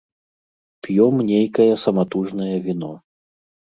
П'ём нейкае саматужнае віно.